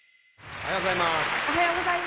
おはようございます。